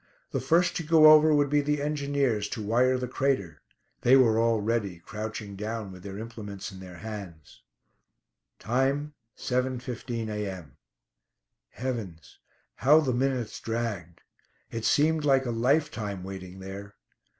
The first to go over would be the engineers, to wire the crater. They were all ready, crouching down, with their implements in their hands. Time: 7.15 a.m.! Heavens! how the minutes dragged. It seemed like a lifetime waiting there.